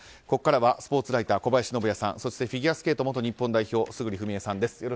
ここからはスポーツライター小林信也さんそしてフィギュアスケート元日本代表、村主章枝さんです。